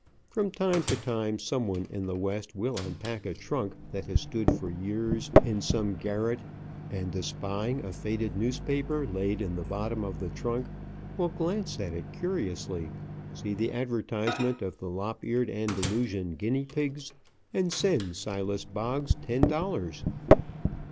From time to time some one in the West will unpack a trunk that has stood for years in some garret, and espying a faded newspaper laid in the bottom of the trunk, will glance at it curiously, see the advertisement of the lop eared Andalusian guinea pigs, and send Silas Boggs ten dollars.